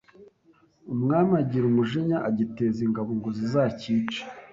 Umwami agira umujinya agiteza ingabo ngo zizacyice